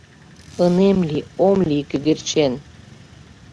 Ынем лий, ом лий кӧгӧрчен.